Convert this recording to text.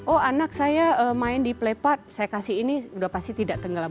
oh anak saya main di play park saya kasih ini sudah pasti tidak tenggelam